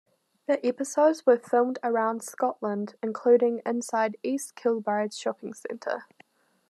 The episodes were filmed around Scotland including inside East Kilbride Shopping Centre.